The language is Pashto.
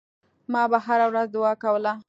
ما به هره ورځ دعا کوله.